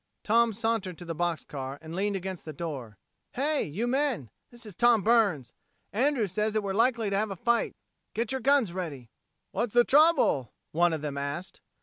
Tom sauntered to the box car and leaned against the door. "Hey! you men! This is Tom Burns. Andrews says that we're likely to have a fight. Get your guns ready." "What's the trouble?" one of them asked.